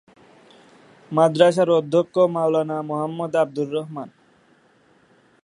মাদ্রাসার অধ্যক্ষ মাওলানা মুহাম্মদ আবদুর রহমান।